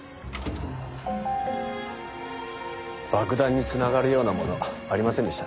爆弾に繋がるようなものありませんでしたね。